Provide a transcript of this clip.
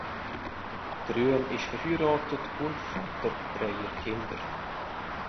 Grün ist verheiratet und Vater dreier Kinder.